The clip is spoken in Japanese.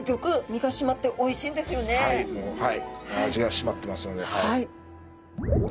味がしまってますのではい。